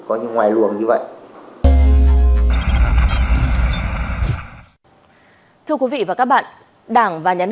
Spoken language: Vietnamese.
coi như ngoài luồng như vậy